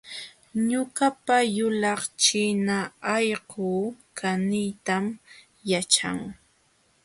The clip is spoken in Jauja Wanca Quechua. Ñuqapa yulaq china allquu kaniytam yaćhan